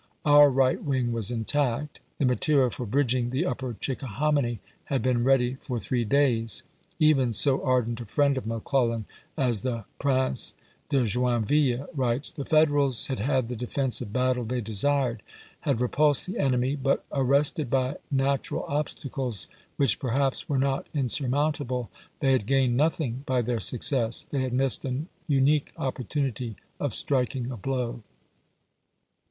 Our right wing was intact; the material for bridging the upjjer Chickahominy had been ready for three FROM WILLIAMSBURG TO FAIR OAKS 391 days. Even so ardent a friend of McClellan as chap.xxi. the Prince de Joinville writes: The Federals had had the defensive battle they desired; had repulsed the enemy ; but arrested by natural obsta cles which perhaps were not insurmountable, they had oampaCTe gained nothing by their success. They had missed an de r Arm^e unique opportunity of striking a blow.